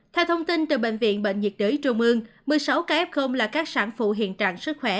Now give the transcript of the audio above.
theo thông tin từ bệnh viện bệnh nhiệt đới trung ương một mươi sáu ca f là các sản phụ hiện trạng sức khỏe